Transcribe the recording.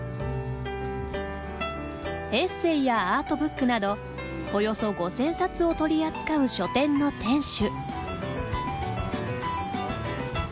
エッセーやアートブックなどおよそ５，０００冊を取り扱う書店の店主。